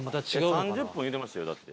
３０分言うてましたよだって。